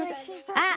「あっ！